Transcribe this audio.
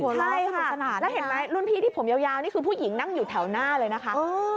ใช่ค่ะแล้วเห็นไหมรุ่นพี่ที่ผมยาวนี่คือผู้หญิงนั่งอยู่แถวหน้าเลยนะคะ